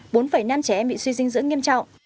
bốn năm trẻ em bị suy dinh dưỡng nghiêm trọng